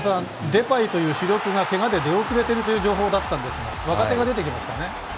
デパイという主力がけがで出遅れてるという情報だったんですが若手が出てきましたね。